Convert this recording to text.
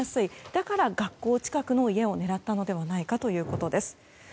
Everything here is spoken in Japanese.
だから、学校近くの家を狙ったのではないかということです。